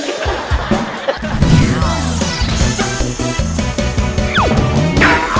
อยากให้ร้องของมูธ